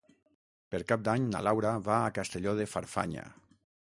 Per Cap d'Any na Laura va a Castelló de Farfanya.